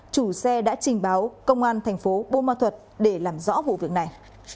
chủ xe đã trình báo công an thành phố bô ma thuật để làm rõ vụ việc này